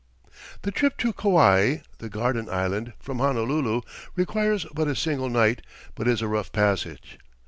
"] The trip to Kauai, the "Garden Island," from Honolulu, requires but a single night, but is a rough passage.